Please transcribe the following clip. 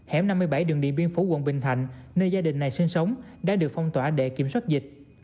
hẻm năm mươi bảy đường điện biên phủ quận bình thạnh nơi gia đình này sinh sống đã được phong tỏa để kiểm soát dịch